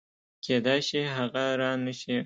کېدای شي هغه رانشي